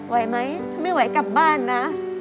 ไหวไหมถ้าไม่ไหวกลับบ้านนะ